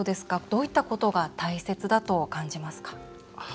どういったことが大切だと感じますか？